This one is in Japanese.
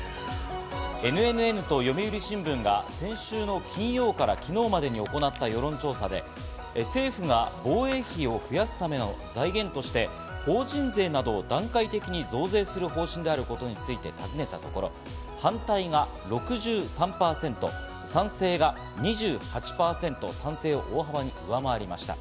ＮＮＮと読売新聞が先週金曜から昨日までに行った世論調査で、政府が防衛費を増やすための財源として、法人税などを段階的に増税する方針であることについてたずねたところ、反対が６３％で、賛成が２８％、賛成を大幅に上回りました。